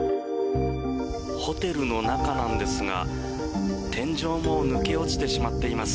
ホテルの中なんですが天井も抜け落ちてしまっています。